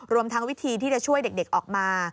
รวมทั้งวิธีที่จะช่วยเด็กออกมา